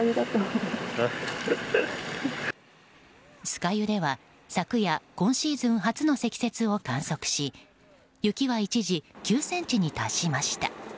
酸ヶ湯では、昨夜今シーズン初の積雪を観測し雪は一時９ｃｍに達しました。